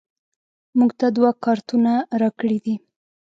موږ ته دوه کارتونه راکړیدي